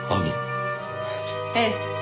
ええ。